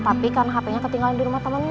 tapi karena hpnya ketinggalan di rumah temennya